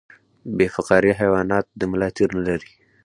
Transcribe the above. بې فقاریه حیوانات د ملا تیر نلري